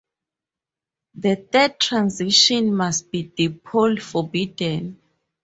The third transition must be dipole forbidden.